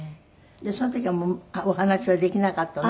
その時はお話はできなかったの？